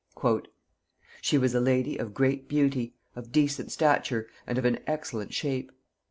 "She was a lady of great beauty, of decent stature, and of an excellent shape.